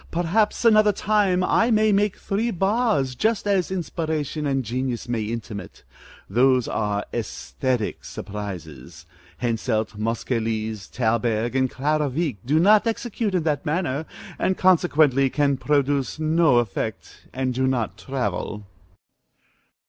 Perhaps another time I may make three bars, just as inspiration and genius may intimate. Those are æsthetic surprises. Henselt, Moscheles, Thalberg, and Clara Wieck do not execute in that manner, and consequently can produce no effect, and do not travel.